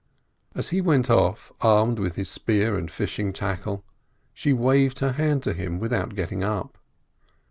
As he went off, armed with his spear and fishing tackle, she waved her hand to him without getting up.